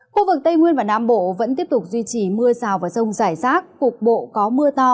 khu vực tây nguyên và nam bộ vẫn tiếp tục duy trì mưa rào vào sông giải